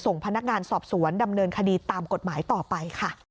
ส่งพนักงานสอบสวนดำเนินคดีตามกฎหมายต่อไปค่ะ